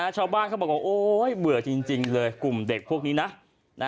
ชาวบ้านเขาบอกว่าโอ๊ยเบื่อจริงเลยกลุ่มเด็กพวกนี้นะ